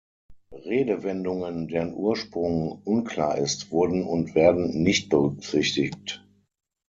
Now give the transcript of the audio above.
Redewendungen, deren Ursprung unklar ist, wurden und werden nicht berücksichtigt.